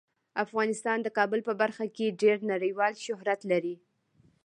افغانستان د کابل په برخه کې ډیر نړیوال شهرت لري.